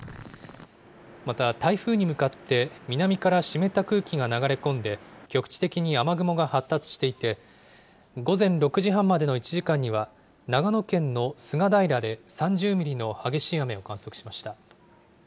また台風に向かって南から湿った空気が流れ込んで、局地的に雨雲が発達していて、午前６時半までの１時間には、長野県の菅平で３０ミリの激しい雨を観測しました。